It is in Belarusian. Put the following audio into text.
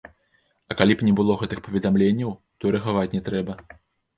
А калі б не было гэтых паведамленняў, то і рэагаваць не трэба?